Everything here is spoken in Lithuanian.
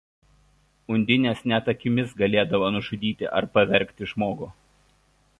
Undinės net akimis galėdavo nužudyti ar pavergti žmogų.